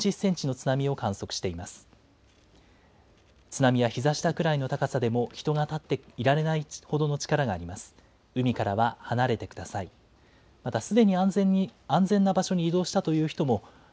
津波がひざ下くらいの高さでも人が立っていられないほどの力があります。